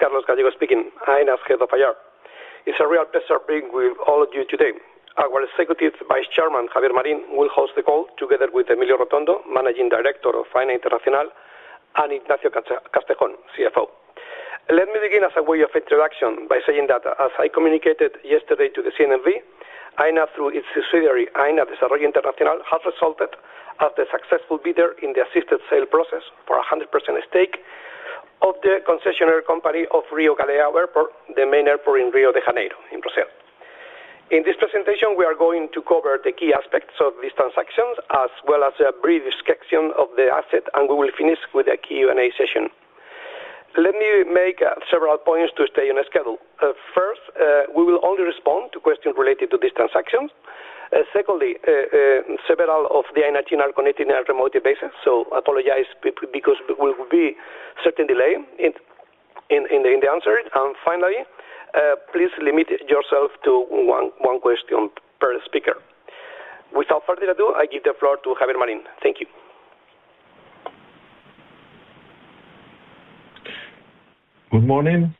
This is Carlos Gallego speaking, Aena's Head of IR. It's a real pleasure being with all of you today. Our Executive Vice Chairman, Javier Marín, will host the call together with Emilio Rotondo, Managing Director of Aena Internacional, and Ignacio Castejón, CFO. Let me begin as a way of introduction by saying that as I communicated yesterday to the CNMV, Aena through its subsidiary, Aena Desarrollo Internacional, has resulted as the successful bidder in the assisted sale process for 100% stake of the concessionaire company of RIOgaleão Airport, the main airport in Rio de Janeiro in Brazil. In this presentation, we are going to cover the key aspects of this transaction, as well as a brief description of the asset, and we will finish with a Q&A session. Let me make several points to stay on schedule. First, we will only respond to questions related to this transaction. Secondly, several of the Aena team are connecting on a remote basis, so I apologize because there will be certain delay in the answer. Finally, please limit yourself to one question per speaker. Without further ado, I give the floor to Javier Marín. Thank you. Good morning.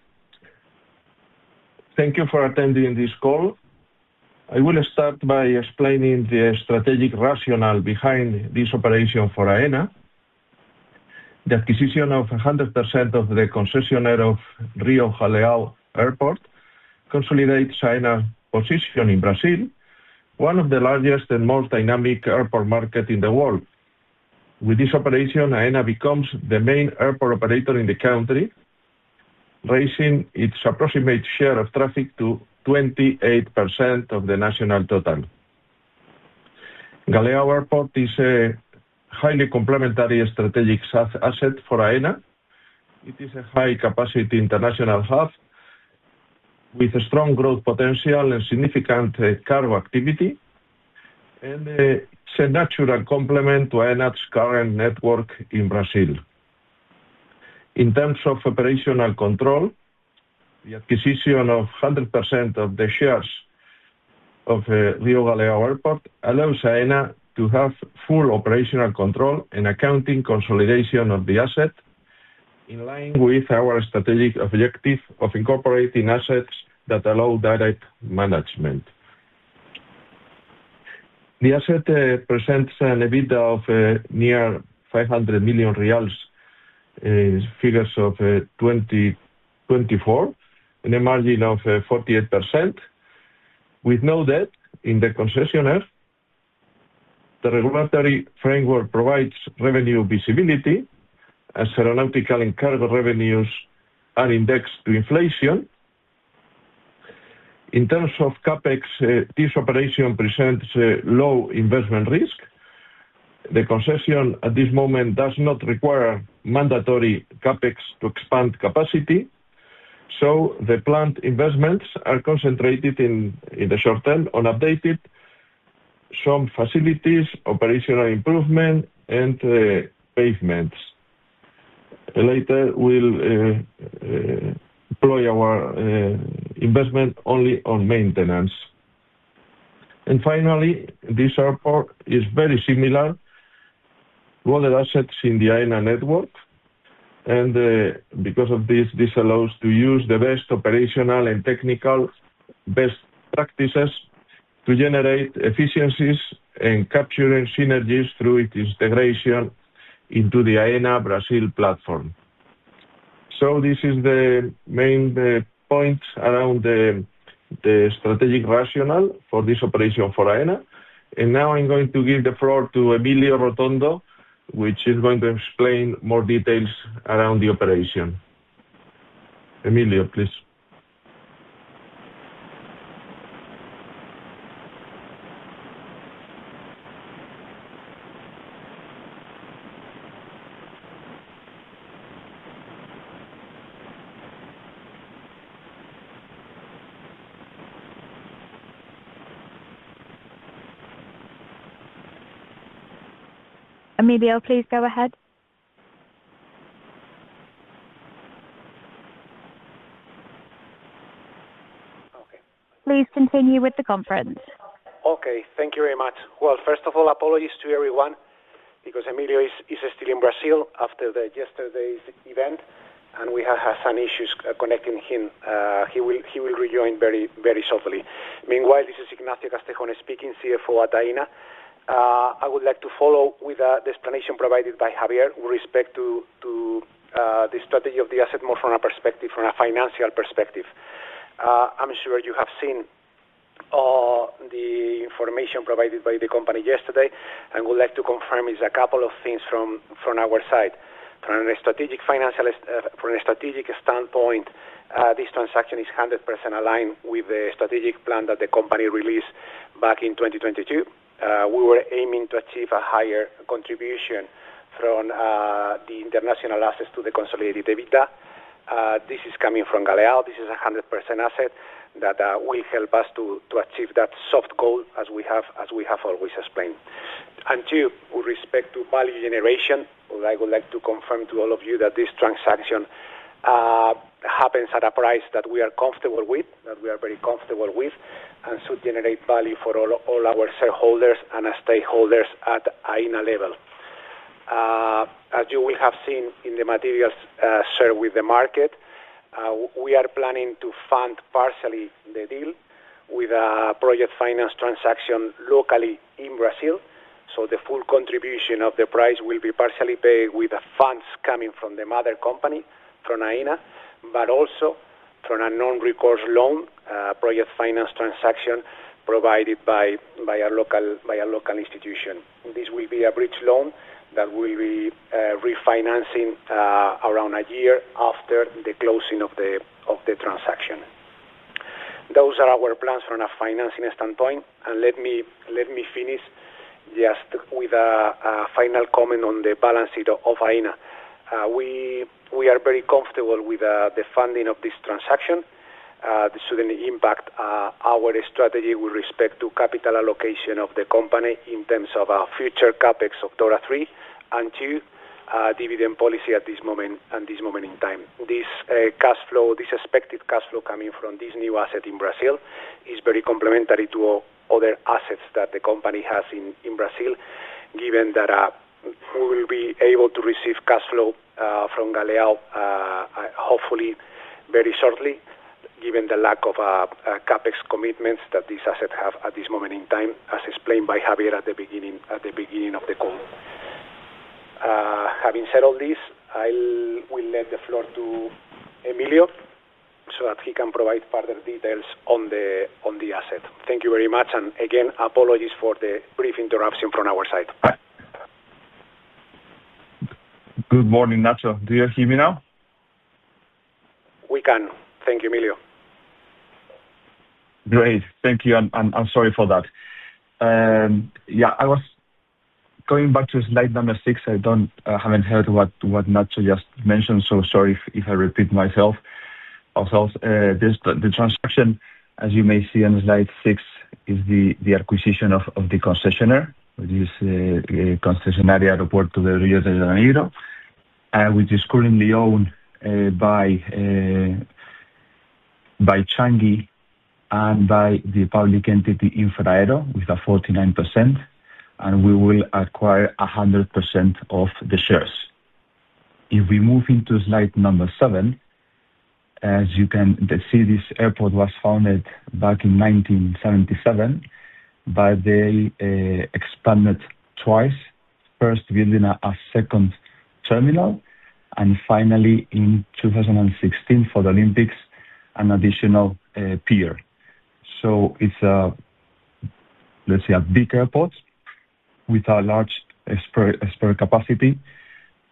Thank you for attending this call. I will start by explaining the strategic rationale behind this operation for Aena. The acquisition of 100% of the concessionaire of RIOgaleão Airport consolidates Aena's position in Brazil, one of the largest and most dynamic airport market in the world. With this operation, Aena becomes the main airport operator in the country, raising its approximate share of traffic to 28% of the national total. Galeão Airport is a highly complementary strategic asset for Aena. It is a high-capacity international hub with a strong growth potential and significant cargo activity, and it's a natural complement to Aena's current network in Brazil. In terms of operational control, the acquisition of 100% of the shares of RIOgaleão Airport allows Aena to have full operational control and accounting consolidation of the asset, in line with our strategic objective of incorporating assets that allow direct management. The asset presents an EBITDA of near 500 million reais in figures of 2024 and a margin of 48%. We know that in the concessionaire, the regulatory framework provides revenue visibility as aeronautical and cargo revenues are indexed to inflation. In terms of CapEx, this operation presents a low investment risk. The concession at this moment does not require mandatory CapEx to expand capacity, so the planned investments are concentrated in the short term on updated some facilities, operational improvement and pavements. Later, we'll employ our investment only on maintenance. Finally, this airport is very similar to other assets in the Aena network. Because of this allows to use the best operational and technical best practices to generate efficiencies and capture synergies through its integration into the Aena Brazil platform. This is the main points around the strategic rationale for this operation for Aena. Now I'm going to give the floor to Emilio Rotondo, which is going to explain more details around the operation. Emilio, please. Emilio, please go ahead. Okay. Please continue with the conference. Okay. Thank you very much. Well, first of all, apologies to everyone because Emilio is still in Brazil after yesterday's event, and we have had some issues connecting him. He will rejoin very shortly. Meanwhile, this is Ignacio Castejón speaking, CFO at Aena. I would like to follow with the explanation provided by Javier with respect to the strategy of the asset more from a financial perspective. I'm sure you have seen all the information provided by the company yesterday. I would like to confirm a couple of things from our side. From a strategic standpoint, this transaction is 100% aligned with the strategic plan that the company released back in 2022. We were aiming to achieve a higher contribution from the international assets to the consolidated EBITDA. This is coming from Galeão. This is a 100% asset that will help us to achieve that soft goal as we have always explained. Two, with respect to value generation, I would like to confirm to all of you that this transaction happens at a price that we are comfortable with, that we are very comfortable with, and should generate value for all our shareholders and our stakeholders at Aena level. As you will have seen in the materials shared with the market, we are planning to fund partially the deal with a project finance transaction locally in Brazil. The full contribution of the price will be partially paid with the funds coming from the mother company, from Aena, but also from a non-recourse loan, project finance transaction provided by a local institution. This will be a bridge loan that we will be refinancing around a year after the closing of the transaction. Those are our plans from a financing standpoint. Let me finish just with a final comment on the balance sheet of Aena. We are very comfortable with the funding of this transaction. This shouldn't impact our strategy with respect to capital allocation of the company in terms of our future CapEx of DORA III and too, dividend policy at this moment in time. This cash flow, this expected cash flow coming from this new asset in Brazil is very complementary to other assets that the company has in Brazil, given that we will be able to receive cash flow from Galeão, hopefully very shortly, given the lack of CapEx commitments that this asset have at this moment in time, as explained by Javier at the beginning of the call. Having said all this, I will lend the floor to Emilio so that he can provide further details on the asset. Thank you very much, and again, apologies for the brief interruption from our side. Good morning, Ignacio. Do you hear me now? We can. Thank you, Emilio. Great. Thank you. I'm sorry for that. Yeah, I was going back to slide number six. I haven't heard what Ignacio just mentioned, so sorry if I repeat myself. Also, the transaction, as you may see on slide six, is the acquisition of the concessionaire. This Concessionária do Aeroporto do Rio de Janeiro, which is currently owned by Changi and by the public entity Infraero with a 49%, and we will acquire 100% of the shares. If we move into slide number seven, as you can see, this airport was founded back in 1977, but they expanded twice, first building a second terminal, and finally in 2016 for the Olympics, an additional pier. It's, let's say, a big airport with a large spare capacity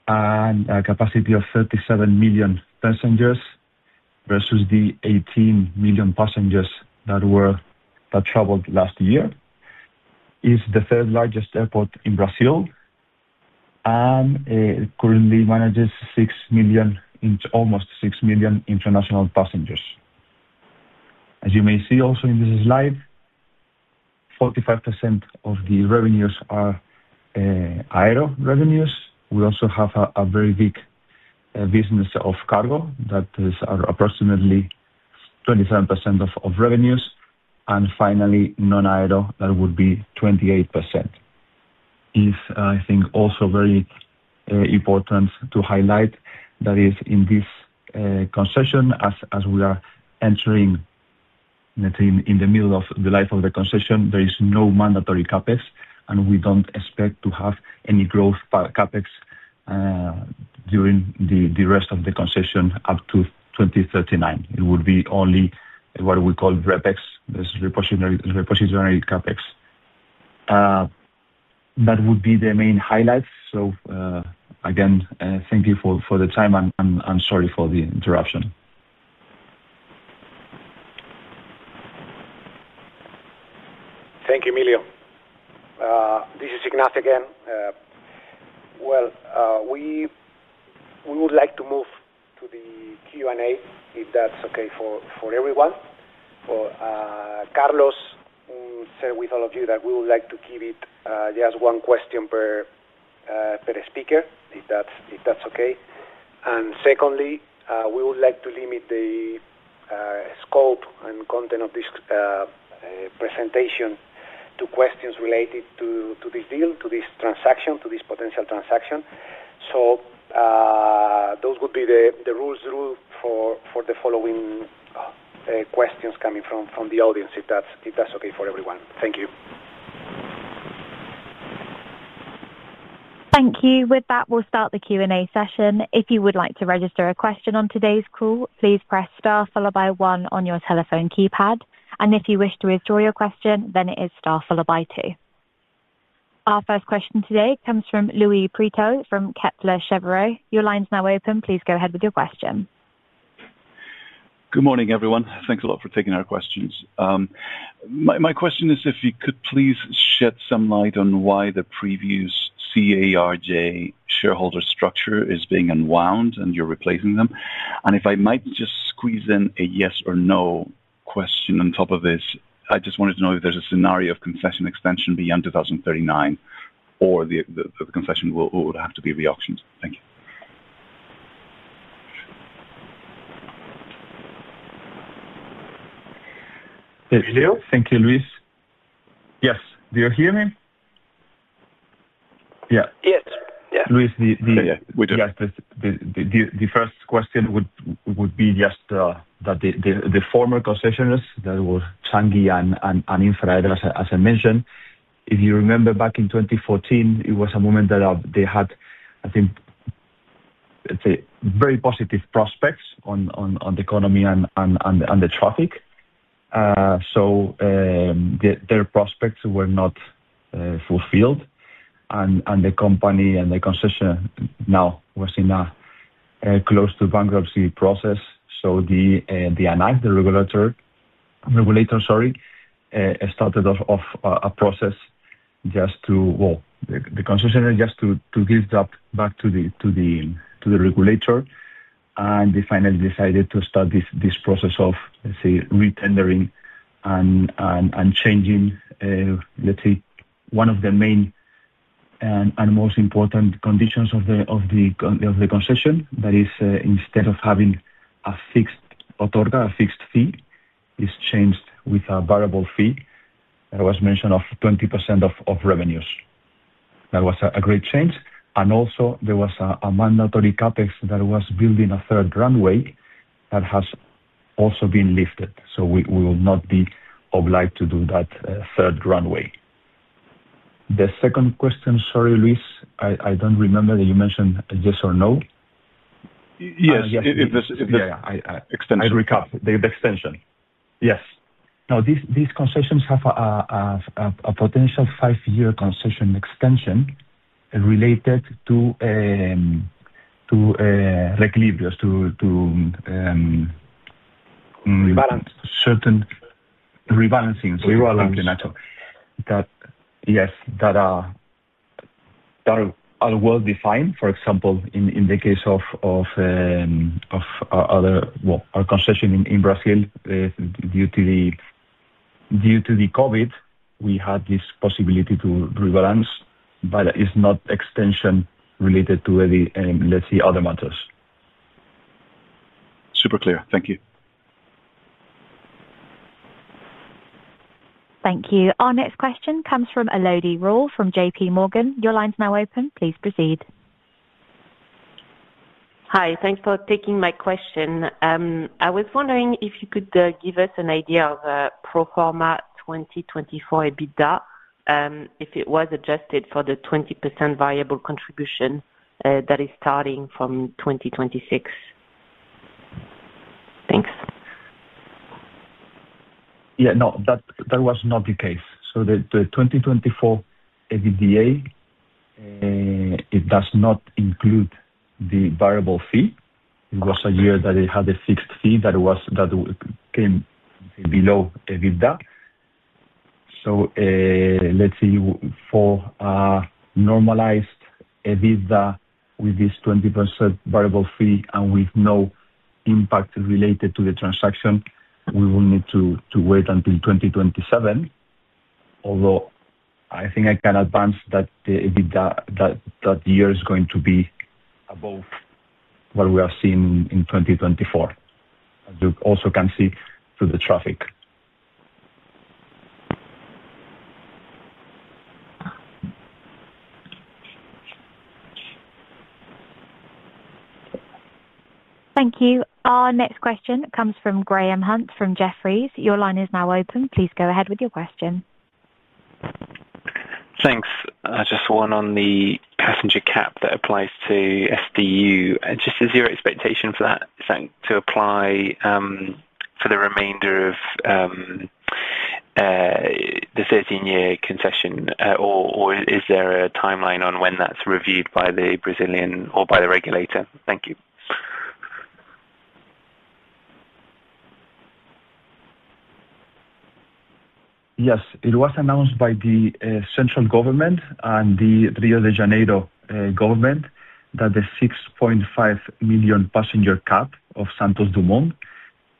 and a capacity of 37 million passengers versus the 18 million passengers that traveled last year. It's the third largest airport in Brazil, and it currently manages almost 6 million international passengers. As you may see also in this slide, 45% of the revenues are aero revenues. We also have a very big business of cargo that is approximately 27% of revenues, and finally, non-aero, that would be 28%. I think also very important to highlight that is in this concession as we are entering in the middle of the life of the concession, there is no mandatory CapEx, and we don't expect to have any growth for our CapEx during the rest of the concession up to 2039. It would be only what we call Repex. This is repositionary CapEx. That would be the main highlights. Again, thank you for the time. I'm sorry for the interruption. Thank you, Emilio. This is Ignacio again. Well, we would like to move to the Q&A, if that's okay for everyone. As Carlos said to all of you, we would like to keep it just one question per speaker, if that's okay. Secondly, we would like to limit the scope and content of this presentation to questions related to the deal, to this transaction, to this potential transaction. Those would be the rules for the following questions coming from the audience, if that's okay for everyone. Thank you. Thank you. With that, we'll start the Q&A session. If you would like to register a question on today's call, please press star followed by one on your telephone keypad. If you wish to withdraw your question, then it is star followed by two. Our first question today comes from Luis Prieto from Kepler Cheuvreux. Your line's now open. Please go ahead with your question. Good morning, everyone. Thanks a lot for taking our questions. My question is if you could please shed some light on why the previous CARJ shareholder structure is being unwound and you're replacing them. If I might just squeeze in a yes or no question on top of this, I just wanted to know if there's a scenario of concession extension beyond 2039 or the concession would have to be re-auctioned. Thank you. Thank you, Luis. Yes. Do you hear me? Yeah. Yes. Luis, the first question would be just that the former concessionaires, that was Changi and Infraero, as I mentioned, if you remember back in 2014, it was a moment that they had, I think, let's say, very positive prospects on the economy and the traffic. Their prospects were not fulfilled and the company and the concession now was in a close to bankruptcy process. The ANAC, the regulator, sorry, started off a process just to. Well, the concessionaire just to give that back to the regulator. They finally decided to start this process of, let's say, re-tendering and changing, let's say, one of the main and most important conditions of the concession. That is, instead of having a fixed outorga, a fixed fee is changed with a variable fee. It was mentioned of 20% of revenues. That was a great change. Also there was a mandatory CapEx that was building a third runway that has also been lifted. We will not be obliged to do that third runway. The second question, sorry, Luis, I don't remember that you mentioned yes or no. Yes. Yeah. I recap. The extension. Yes. Now, these concessions have a potential five-year concession extension related to, like equilibrio to- Rebalance. Certain rebalancing that. Yes, that are well-defined. For example, in the case of other. Well, our concession in Brazil, due to the COVID, we had this possibility to rebalance, but it's not extension related to any, let's say, other matters. Super clear. Thank you. Thank you. Our next question comes from Elodie Rall from JPMorgan. Your line is now open. Please proceed. Hi. Thanks for taking my question. I was wondering if you could give us an idea of pro forma 2024 EBITDA, if it was adjusted for the 20% variable contribution that is starting from 2026. Thanks. Yeah. No, that was not the case. The 2024 EBITDA, it does not include the variable fee. It was a year that it had a fixed fee that came below EBITDA. Let's say for normalized EBITDA with this 20% variable fee and with no impact related to the transaction, we will need to wait until 2027. Although I think I can advance that that year is going to be above what we have seen in 2024, as you also can see through the traffic. Thank you. Our next question comes from Graham Hunt from Jefferies. Your line is now open. Please go ahead with your question. Thanks. Just one on the passenger cap that applies to SDU. Is your expectation for that, say, to apply for the remainder of the 13-year concession? Is there a timeline on when that's reviewed by the Brazilian or by the regulator? Thank you. Yes. It was announced by the central government and the Rio de Janeiro government that the 6.5 million passenger cap of Santos Dumont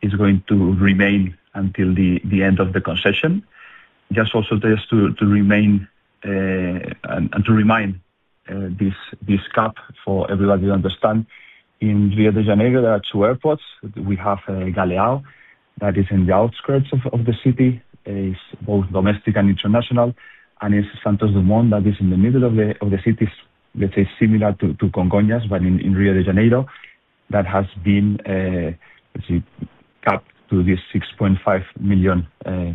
is going to remain until the end of the concession. Just also this to remain and to remind this cap for everybody to understand. In Rio de Janeiro, there are two airports. We have Galeão, that is in the outskirts of the city. It's both domestic and international. It's Santos Dumont that is in the middle of the city, let's say, similar to Congonhas, but in Rio de Janeiro, that has been, let's say, capped to this 6.5 million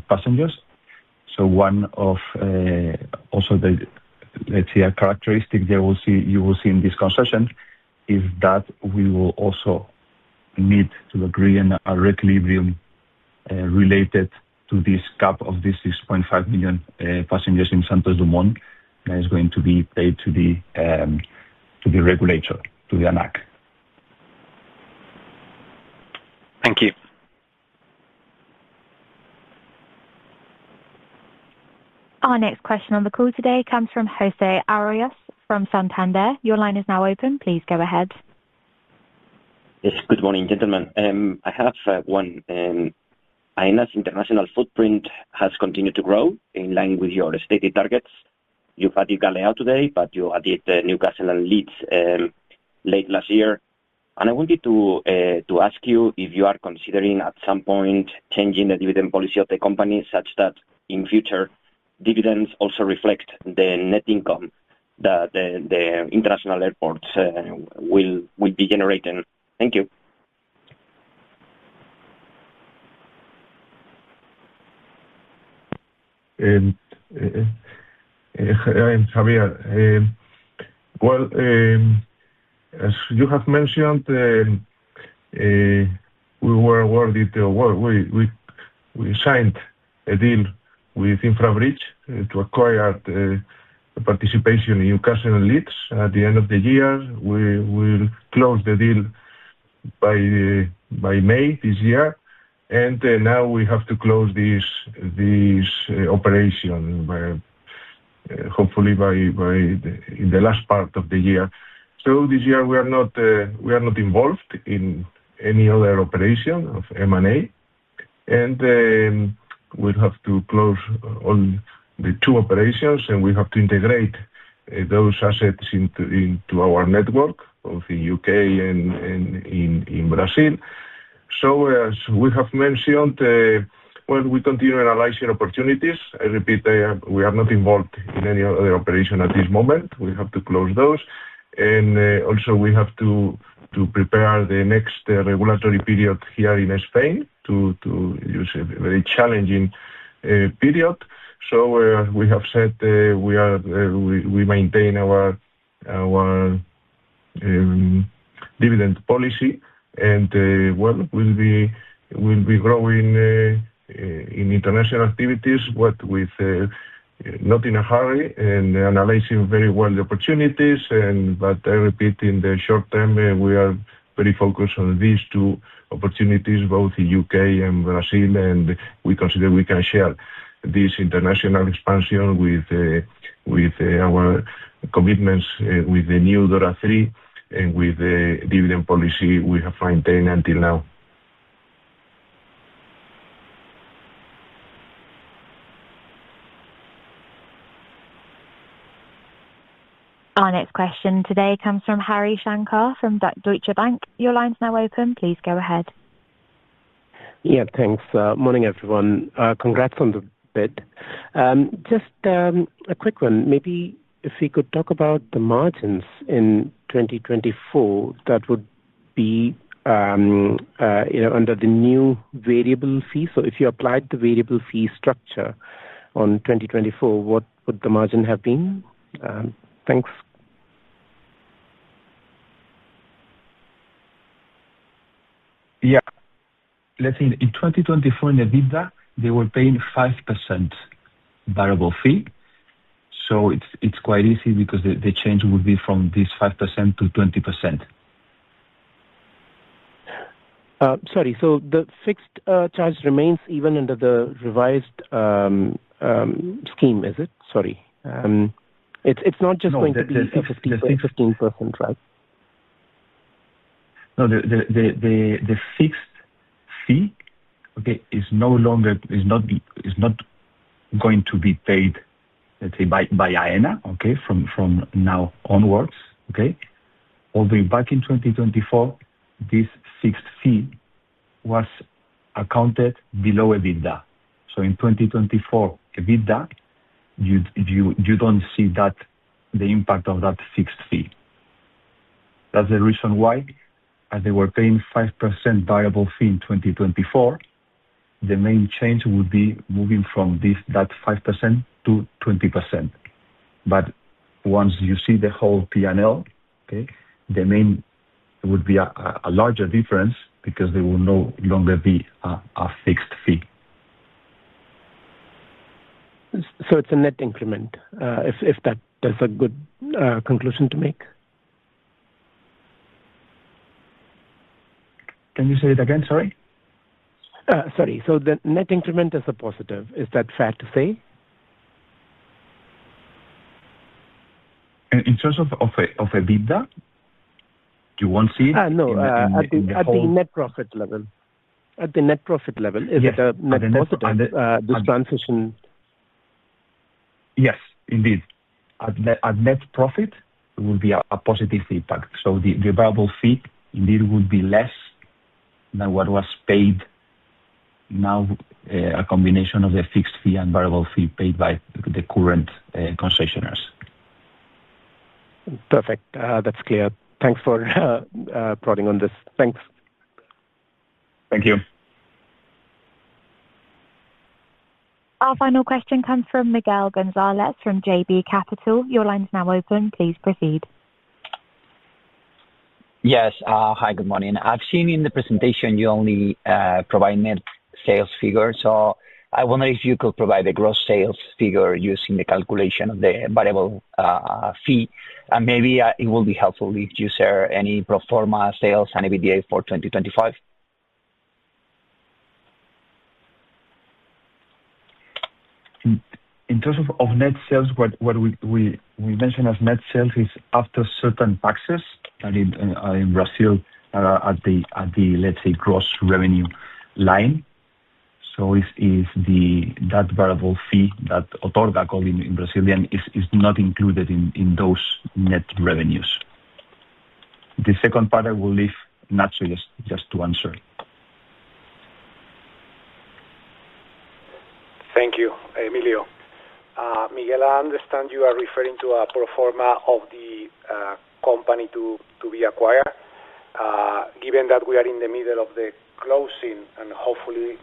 passengers. One of also the, let's say a characteristic that you will see in this concession is that we will also need to agree on a re-equilibrium related to this cap of 6.5 million passengers in Santos Dumont that is going to be paid to the regulator, to the ANAC. Thank you. Our next question on the call today comes from José Arroyas from Santander. Your line is now open. Please go ahead. Yes. Good morning, gentlemen. Aena's international footprint has continued to grow in line with your stated targets. You've added Galeão today, but you added Newcastle and Leeds late last year. I wanted to ask you if you are considering at some point changing the dividend policy of the company such that in future dividends also reflect the net income that the international airports will be generating? Thank you. This is Javier, well, as you have mentioned, we were awarded the award. We signed a deal with InfraBridge to acquire the participation in Luton and Leeds at the end of the year. We will close the deal by May this year. Now we have to close this operation where hopefully in the last part of the year. This year we are not involved in any other operation of M&A. We have to close on the two operations, and we have to integrate those assets into our network of the U.K. and in Brazil. As we have mentioned, well, we continue analyzing opportunities. I repeat, we are not involved in any other operation at this moment. We have to close those. Also we have to prepare the next regulatory period here in Spain, a very challenging period. We have said we maintain our dividend policy and we'll be growing in international activities, but not in a hurry and analyzing very well the opportunities. I repeat, in the short term, we are very focused on these two opportunities, both in U.K. and Brazil. We consider we can share this international expansion with our commitments with the new DORA III and with the dividend policy we have maintained until now. Our next question today comes from Harishankar, from Deutsche Bank. Your line's now open. Please go ahead. Yeah. Thanks. Morning everyone. Congrats on the bid. Just a quick one, maybe if we could talk about the margins in 2024, that would be, you know, under the new variable fee. If you applied the variable fee structure on 2024, what would the margin have been? Thanks. Yeah. Let's say in 2024 in EBITDA, they were paying 5% variable fee. It's quite easy because the change would be from this 5%-20%. Sorry. The fixed charge remains even under the revised scheme, is it? Sorry. It's not just going to be 15%, right? No. The fixed fee, okay, is not going to be paid, let's say by Aena, okay, from now onwards, okay. Although back in 2024, this fixed fee was accounted below EBITDA. In 2024 EBITDA, you don't see the impact of that fixed fee. That's the reason why, as they were paying 5% variable fee in 2024, the main change would be moving from that 5%-20%. Once you see the whole P&L, okay, it would be a larger difference because there will no longer be a fixed fee. It's a net increment, if that is a good conclusion to make. Can you say it again? Sorry. Sorry. The net increment is a positive. Is that fair to say? In terms of EBITDA, you won't see it. No. In the, in the whole- At the net profit level. Is it a net positive, this transition? Yes, indeed. At net profit, it will be a positive feedback. The variable fee indeed will be less than what was paid now, a combination of the fixed fee and variable fee paid by the current concessionaires. Perfect. That's clear. Thanks for prodding on this. Thanks. Thank you. Our final question comes from Miguel González from JB Capital. Your line's now open. Please proceed. Yes. Hi, good morning. I've seen in the presentation you only provide net sales figures. I wonder if you could provide the gross sales figure using the calculation of the variable fee. Maybe it will be helpful if you share any pro forma sales and EBITDA for 2025. In terms of net sales, what we mention as net sales is after certain taxes and in Brazil, at the let's say gross revenue line. So it is the that variable fee that outorta called in Brazilian is not included in those net revenues. The second part I will leave Ignacio to answer it. Thank you, Emilio. Miguel, I understand you are referring to a pro forma of the company to be acquired. Given that we are in the middle of the closing and hopefully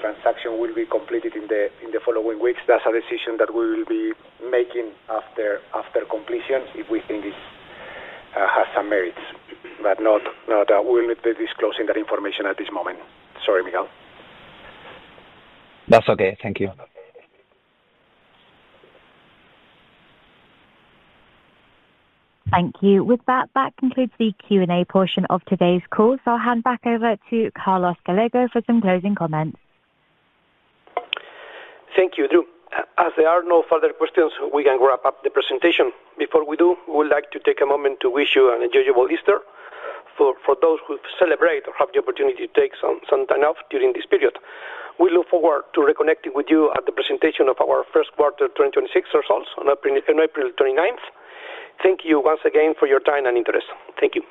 transaction will be completed in the following weeks, that's a decision that we will be making after completion, if we think it has some merits, but not. We'll need to disclose that information at this moment. Sorry, Miguel. That's okay. Thank you. Thank you. With that concludes the Q&A portion of today's call. I'll hand back over to Carlos Gallego for some closing comments. Thank you, Drew. As there are no further questions, we can wrap up the presentation. Before we do, we would like to take a moment to wish you an enjoyable Easter for those who celebrate or have the opportunity to take some time off during this period. We look forward to reconnecting with you at the presentation of our first quarter 2026 results on April 29th. Thank you once again for your time and interest. Thank you.